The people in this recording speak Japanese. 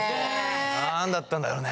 何だったんだろうね。